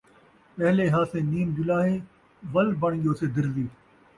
پہلے ہاسے نیم جُلاہے ول بݨ ڳیوسے درزی